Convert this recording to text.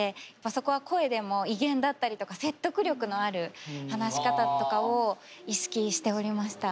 そこは声でも威厳だったりとか説得力のある話し方とかを意識しておりました。